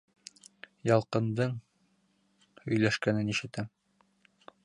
Ялҡындың һөйләшкәнен ишетәм.